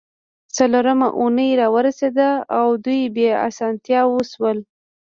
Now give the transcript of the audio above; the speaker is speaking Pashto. څلورمه اونۍ راورسیده او دوی بې اسانتیاوو شول